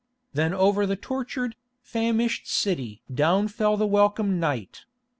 Then over the tortured, famished city down fell the welcome night.